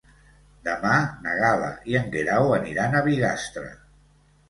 Demà na Gal·la i en Guerau aniran a Bigastre.